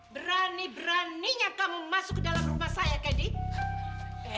berani beraninya kamu masuk ke dalam rumah saya kadin